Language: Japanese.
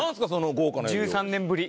１３年ぶり。